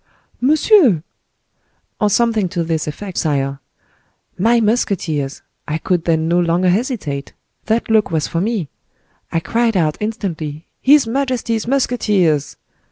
'" "Monsieur!" "Or something to this effect, sire—'My musketeers!' I could then no longer hesitate. That look was for me. I cried out instantly, 'His majesty's musketeers!